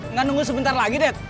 nggak nunggu sebentar lagi deh